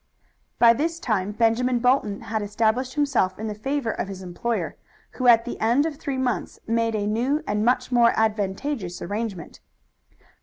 By this time Benjamin Bolton had established himself in the favor of his employer, who at the end of three months made a new and much more advantageous arrangement.